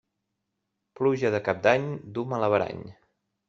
Pluja de Cap d'any duu mal averany.